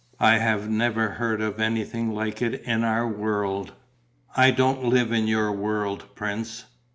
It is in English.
I have never heard of anything like it in our world." "I don't live in your world, prince."